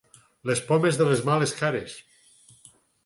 Les pomes de les males cares.